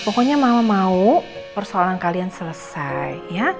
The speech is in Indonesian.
pokoknya mau mau persoalan kalian selesai ya